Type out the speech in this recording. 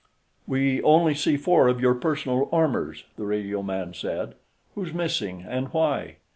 "We only see four of your personal armors," the radioman said. "Who's missing, and why?"